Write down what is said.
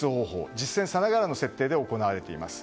実戦さながらの設定で行われています。